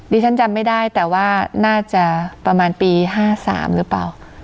ฉันจำไม่ได้แต่ว่าน่าจะประมาณปี๕๓หรือเปล่า